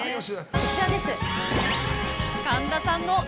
こちらです。